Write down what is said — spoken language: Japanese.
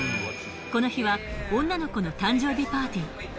この日は女の子の誕生日パーティー。